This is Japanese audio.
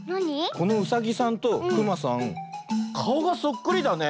このうさぎさんとくまさんかおがそっくりだね。